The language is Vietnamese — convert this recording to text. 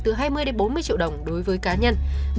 từ hai mươi đến bốn mươi triệu đồng đối với cá nhân